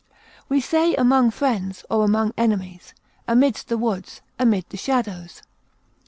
We say among friends, or among enemies, amidst the woods, amid the shadows.